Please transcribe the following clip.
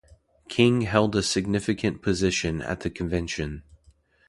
King held a significant position at the convention.